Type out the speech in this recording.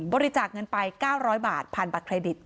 บริจาคเงินไป๙๐๐บาทผ่านบัตรเครดิต